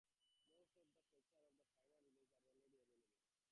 Most of the features of the final release are already available.